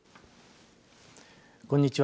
こんにちは。